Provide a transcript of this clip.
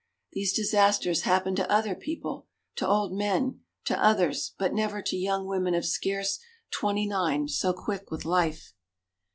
These disasters hap pened to other people, to old men, to others, but never to young women of scarce twenty nine so quick with life.